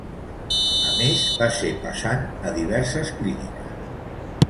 A més, va ser passant a diverses clíniques.